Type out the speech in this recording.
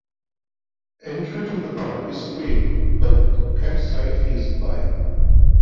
Entry to the park is free but camp-site fees apply.